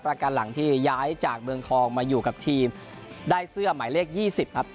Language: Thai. หลังการหลังที่ย้ายจากเมืองทองมาอยู่กับทีมได้เสื้อหมายเลข๒๐ครับ